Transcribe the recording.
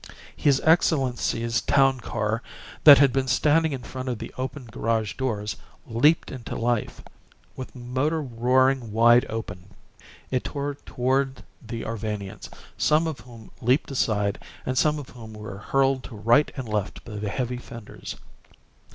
His Excellency's town car, that had been standing in front of the open garage doors, leaped into life. With motor roaring wide open, it tore toward the Arvanians, some of whom leaped aside and some of whom were hurled to right and left by the heavy fenders....